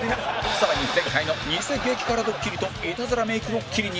さらに前回のニセ激辛ドッキリといたずらメイクドッキリに